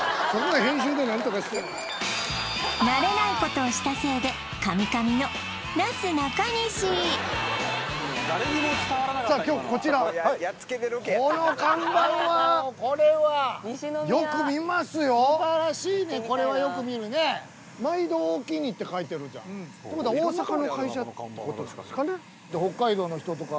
慣れないことをしたせいでカミカミのなすなかにしじゃあ今日こちらはいこの看板はこれは素晴らしいね「まいどおおきに」って書いてるじゃんってことは大阪の会社ってことなんですかね？